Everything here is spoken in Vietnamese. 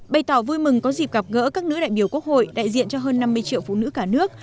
bày tỏ vui mừng có dịp gặp gỡ các nữ đại biểu quốc hội đại diện cho hơn năm mươi triệu phụ nữ cả nước